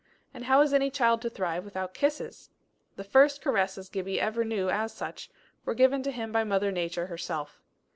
And how is any child to thrive without kisses! The first caresses Gibbie ever knew as such, were given him by Mother Nature herself.